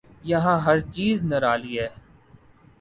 یہاں ہر چیز نرالی ہے۔